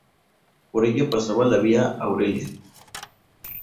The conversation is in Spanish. Por ella pasaba la Vía Aurelia.